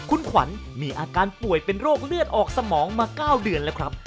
คุณขวัญมีอาการป่วยเป็นโรคเลือดออกสมองมา๙เดือนแล้วครับ